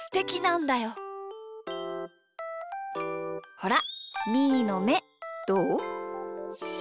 ほらみーのめどう？